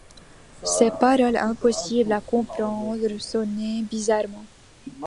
Ces paroles, impossibles à comprendre, sonnaient bizarrement.